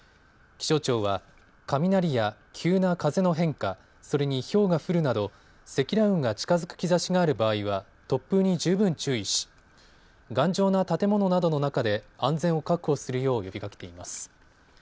気象庁は雷や急な風の変化、それにひょうが降るなど積乱雲が近づく兆しがある場合は突風に十分注意し、頑丈な建物などの中で安全を確保するよう呼びかけています。